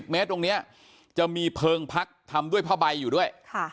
เมตรตรงนี้จะมีเพลิงพักทำด้วยผ้าใบอยู่ด้วย